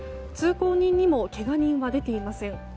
通行人にもけが人は出ていません。